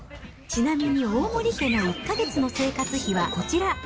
ちなみに大森家の１か月の生活費はこちら。